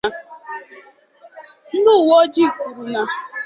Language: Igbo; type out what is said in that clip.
ndị uwe ojii kwuru na